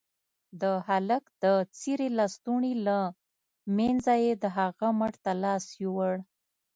د هلك د څيرې لستوڼي له منځه يې د هغه مټ ته لاس يووړ.